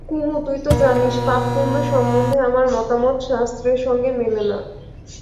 কুমু তুই তো জানিস, পাপপুণ্য সম্বন্ধে আমার মতামত শাস্ত্রের সঙ্গে মেলে না।